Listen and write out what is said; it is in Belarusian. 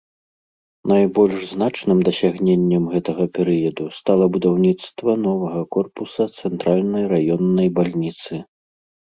Найбольш значным дасягненнем гэтага перыяду стала будаўніцтва новага корпуса цэнтральнай раённай бальніцы.